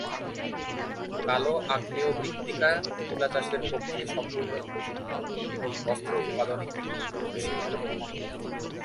কালো, আগ্নেয় মৃত্তিকা তুলা চাষের পক্ষে সম্পূর্ণ উপযুক্ত, এবং বস্ত্র উৎপাদন একটি গুরুত্বপূর্ণ শিল্প।